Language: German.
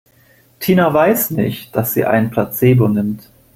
Tina weiß nicht, dass sie ein Placebo nimmt.